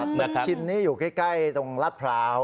ตึกชินนี่อยู่ใกล้ตรงลาดพร้าว